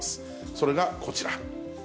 それがこちら。